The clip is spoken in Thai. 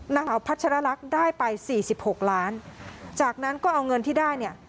นางสาวพัชรลักษณ์ได้ไปสี่สิบหกล้านจากนั้นก็เอาเงินที่ได้เนี่ย